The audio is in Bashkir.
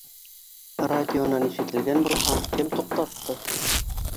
Радионан ишетелгән булһа, кем туҡтатты?